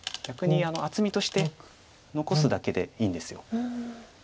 逆に厚みとして残すだけでいいんです。